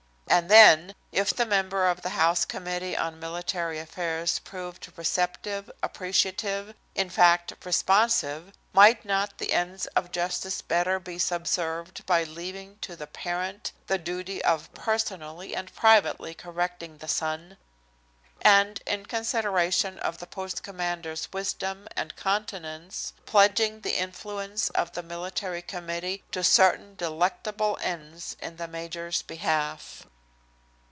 and then if the member of the House Committee on Military Affairs proved receptive, appreciative, in fact responsive, might not the ends of justice better be subserved by leaving to the parent the duty of personally and privately correcting the son? and, in consideration of the post commander's wisdom and continence, pledging the influence of the Military Committee to certain delectable ends in the major's behalf?